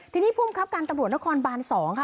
ทีนี้ภูมิครับการตำรวจนครบาน๒ค่ะ